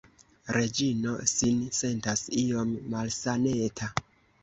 Reĝino sin sentas iom malsaneta.